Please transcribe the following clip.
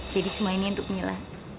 jadi semua ini untuk mila